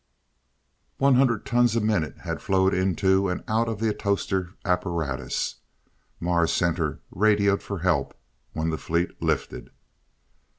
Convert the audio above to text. One hundred tons a minute had flowed into and out of the atostor apparatus. Mars Center radioed for help, when the fleet lifted.